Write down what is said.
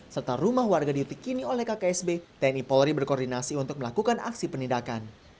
serta rumah warga diutik kini oleh kksb tni polri berkoordinasi untuk melakukan aksi penindakan